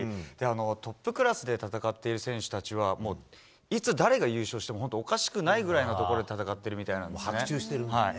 トップクラスで戦っている選手たちはいつだれが優勝しても本当におかしくないぐらいで戦ってるみたいなんですね。